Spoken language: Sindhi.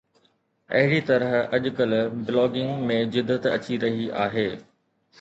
اهڙي طرح اڄڪلهه بلاگنگ ۾ جدت اچي رهي آهي